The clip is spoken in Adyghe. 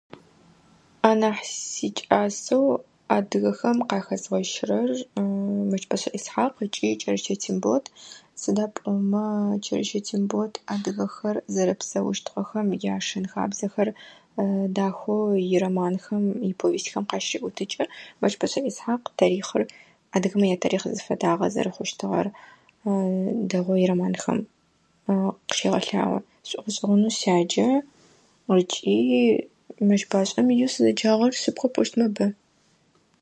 Анахь сикӏасэу адыгэхэм къахэзгъэщырэр Мэщбэшӏэ Исхьакъ ыкӏи Кӏэрэщэ Тембот сыда пӏомэ Кӏэрэщэ Тембот адыгэхэр зэрэпсэущтыгъэхэм, яшэн-хабзэхэр дахэу ироманхэм, иповестьхэм къащеӏотыкӏы. Мэщбэшӏэ Исхьакъ тарихъыр, адыгэмэ ятарихъ зыфэдагъэр, зэрэхъущтыгъэр дэгъоу ироманхэм къыщегъэлъагъо. Сшӏогъэшӏэгъонэу сяджэ ыкӏи Мэщбашӏэм иеу сызэджагъэр шъыпкъэу пӏощтмэ бэ.